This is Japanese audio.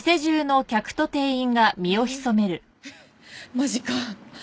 マジか。